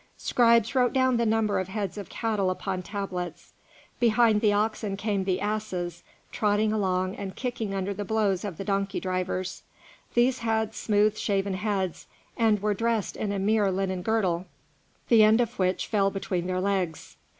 Scribes wrote down the number of heads of cattle upon tablets. Behind the oxen came the asses, trotting along and kicking under the blows of the donkey drivers. These had smooth shaven heads, and were dressed in a mere linen girdle, the end of which fell between their legs.